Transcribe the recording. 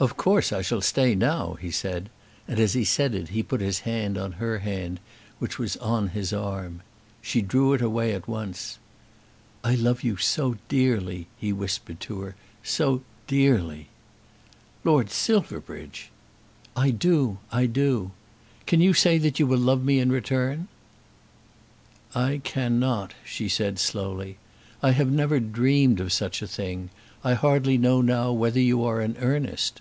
"Of course I shall stay now," he said, and as he said it he put his hand on her hand, which was on his arm. She drew it away at once. "I love you so dearly," he whispered to her; "so dearly." "Lord Silverbridge!" "I do. I do. Can you say that you will love me in return?" "I cannot," she said slowly. "I have never dreamed of such a thing. I hardly know now whether you are in earnest."